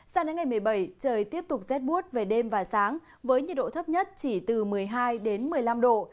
sao đến ngày một mươi bảy trời tiếp tục rét bút về đêm và sáng với nhiệt độ thấp nhất chỉ từ một mươi hai đến một mươi năm độ